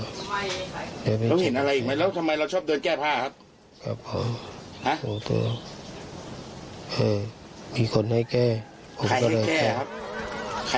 แล้วเห็นอะไรอีกไหมแล้วทำไมเราชอบเดินแก้ผ้าครับ